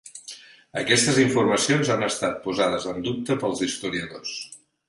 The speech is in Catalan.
Aquestes informacions han estat posades en dubte pels historiadors.